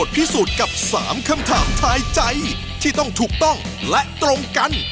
ที่ต้องถูกต้องและตรงกัน